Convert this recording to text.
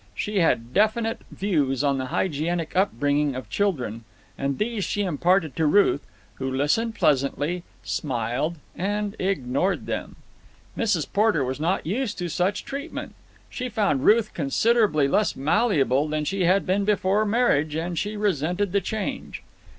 She had definite views on the hygienic upbringing of children, and these she imparted to Ruth, who listened pleasantly, smiled, and ignored them. Mrs. Porter was not used to such treatment. She found Ruth considerably less malleable than she had been before marriage, and she resented the change.